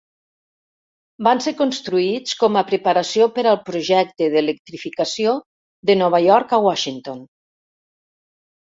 Van ser construïts com a preparació per al projecte d'electrificació de Nova York a Washington.